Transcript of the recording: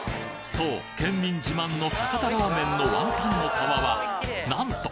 そう県民自慢の酒田ラーメンのワンタンの皮はなんと！